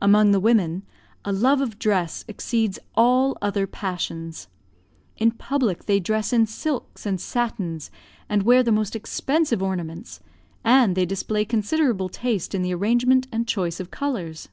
Among the women, a love of dress exceeds all other passions. In public they dress in silks and satins, and wear the most expensive ornaments, and they display considerable taste in the arrangement and choice of colours.